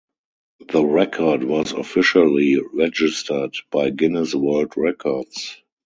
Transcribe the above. The record was officially registered by Guinness World Records.